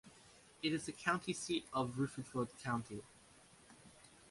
It is the county seat of Rutherford County.